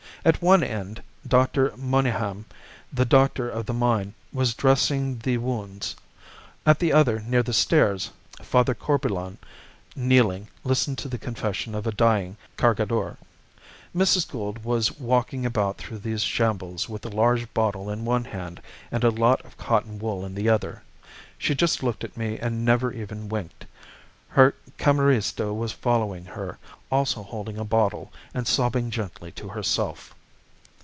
At one end Doctor Monygham, the doctor of the mine, was dressing the wounds; at the other, near the stairs, Father Corbelan, kneeling, listened to the confession of a dying Cargador. Mrs. Gould was walking about through these shambles with a large bottle in one hand and a lot of cotton wool in the other. She just looked at me and never even winked. Her camerista was following her, also holding a bottle, and sobbing gently to herself.